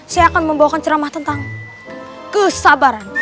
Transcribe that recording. saya akan membawakan ceramah tentang kesabaran